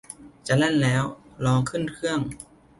จะแล่นแล้ว รอขึ้นเครื่อง